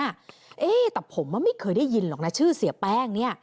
แต่ผมไม่เคยได้ยินหรอกนะชื่อเสียแป้ง